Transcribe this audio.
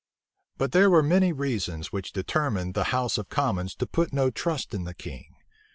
But there were many reasons which determined the house of commons to put no trust in the king.